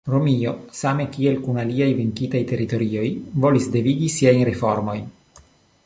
Romio, same kiel kun aliaj venkitaj teritorioj, volis devigi siajn reformojn.